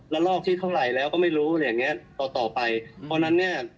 ลอกที่เท่าไหร่แล้วก็ไม่รู้อะไรอย่างเงี้ยต่อต่อไปเพราะฉะนั้นเนี้ย